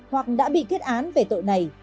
hoặc đã bị kết án về tội này